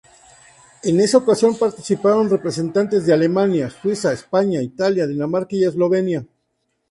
En esa ocasión participaron representantes de Alemania, Suiza, España, Italia, Dinamarca y Eslovenia.